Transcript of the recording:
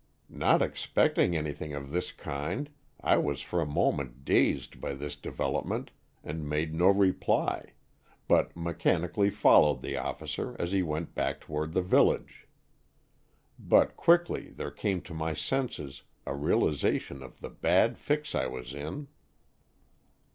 "Not expecting anything of this kind, I was for a moment dazed by this devel opment and made no reply, but mechan ically followed the officer as he went back toward the village. But quickly there came to my senses a realization of the bad fix I was in.